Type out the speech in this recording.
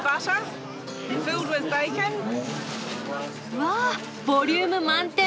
わあボリューム満点！